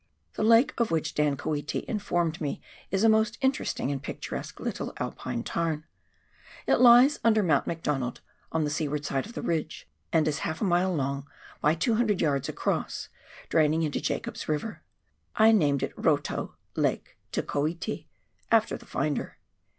The lake of which Dan Koeti informed me is a most interest ing and picturesque little Alpine tarn. It lies under Mount McDonald, on the seaward side of the ridge, and is half a mile long by 200 yards across, draining into Jacob's River. I named it Roto (lake) te Koeti after the finder.